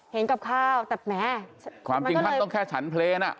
เห็นกลับข้าวแต่แม้ความจริงมันต้องแค่ฉันเพลย์น่ะ